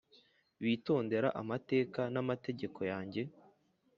Bitondera amateka n amategeko yanjye